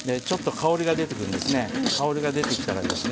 香りが出てきたらですね